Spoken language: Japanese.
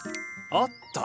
あった。